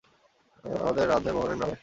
আমাদের রাধে মোহনের নামে।